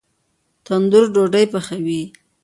تندور ډوډۍ پخوي